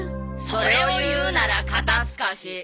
それを言うなら「肩すかし」。